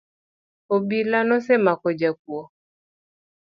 Obila nosemako jakuo